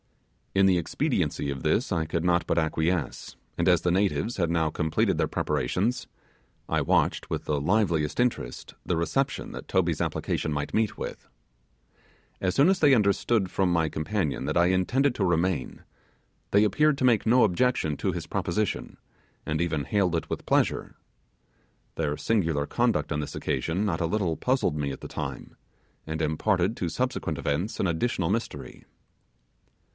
In the expediency of this I could not but acquiesce; and as the natives had now completed their preparations, I watched with the liveliest interest the reception that Toby's application might meet with. As soon as they understood from my companion that I intended to remain, they appeared to make no objection to his proposition, and even hailed it with pleasure. Their singular conduct on this occasion not a little puzzled me at the time, and imparted to subsequent events an additional mystery.